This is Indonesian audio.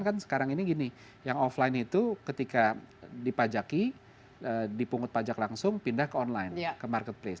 kan sekarang ini gini yang offline itu ketika dipajaki dipungut pajak langsung pindah ke online ke marketplace